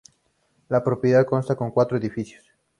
La propiedad consta de cuatro edificios.